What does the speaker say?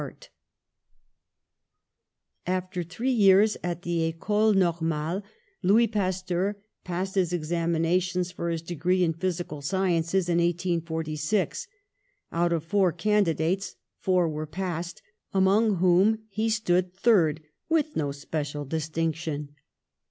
22 PASTEUR After three years at the Eeole Normale Louis Pasteur passed his examinations for his degree in physical sciences in 1846; out of four candi dates four were passed, among whom he stood third, with no special distinction.